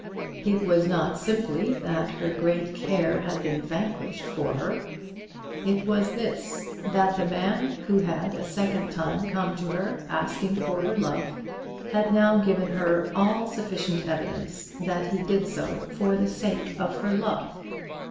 It was not simply that her great care had been vanquished for her. It was this, that the man who had a second time come to her asking for her love, had now given her all sufficient evidence that he did so for the sake of her love.